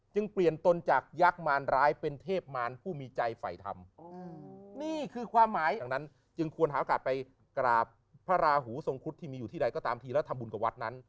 จึงเปลี่ยนตนจากยักษ์มารร้ายเป็นเทพมารผู้มีใจฝ่ายธรรมนี่คือความหมายอย่างนั้นจึงควรหาโอกาสไปกราบพระราหูทรงคุดที่มีอยู่ที่ใดก็ตามทีแล้วทำบุญกับวัดนั้น